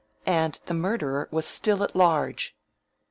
And the murderer was still at large!